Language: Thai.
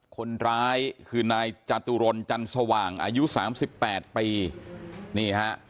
คนร้ายคือนายจาตุรนจันทรวงอายุ๓๘ปี